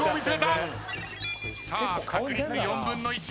さあ確率４分の１。